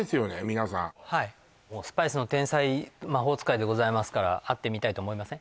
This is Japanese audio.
皆さんもうスパイスの天才魔法使いでございますから会ってみたいと思いません？